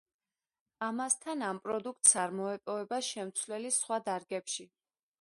ამასთან, ამ პროდუქტს არ მოეპოვება შემცვლელი სხვა დარგებში.